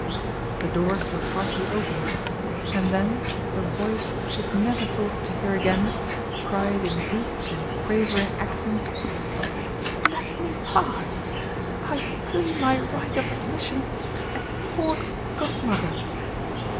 The doors were partly opened, and then a voice she had never thought to hear again cried in weak and quavering accents: "Let me pass. I claim my right of admission as Court Godmother."